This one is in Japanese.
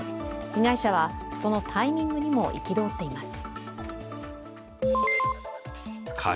被害者はそのタイミングにも憤っています。